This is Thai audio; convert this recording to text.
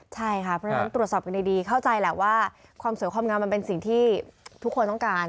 เบื้องตรวจสอบดีเข้าใจแหละว่าความเสื่อความงามมันเป็นสิ่งที่ทุกคนต้องการ